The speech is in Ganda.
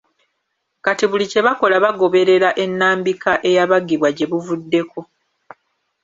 Kati buli kye bakola bagoberera ennambika eyabagibwa gye buvuddeko